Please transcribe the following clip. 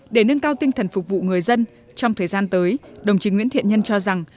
để nâng cao tinh thần phục vụ người dân trong thời gian tới đồng chí nguyễn thiện nhân cho rằng